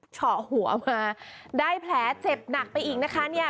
เฉาะหัวมาได้แผลเจ็บหนักไปอีกนะคะเนี่ย